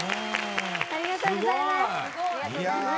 ありがとうございます。